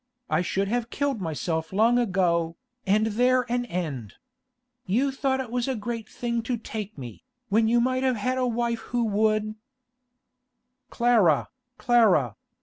I should have killed myself long ago, and there an end. You thought it was a great thing to take me, when you might have had a wife who would—' 'Clara! Clara!